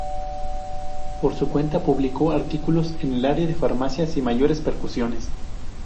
Por su cuenta publicó artículos en el área de farmacia, sin mayores repercusiones.